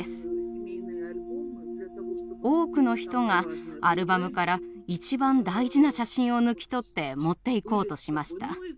多くの人がアルバムから一番大事な写真を抜き取って持っていこうとしました。